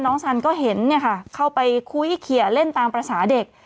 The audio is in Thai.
น้องสันก็เห็นเนี่ยค่ะเข้าไปคุยเขียนเล่นตามภาษาเด็ก